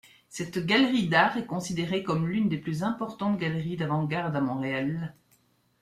Cette galerie d'art est considérée comme l'une des plus importantes galeries d'avant-garde à Montréal.